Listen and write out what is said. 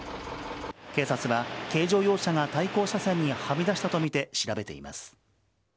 警察は軽乗用車が対向車線にはみ出したと見て調べています。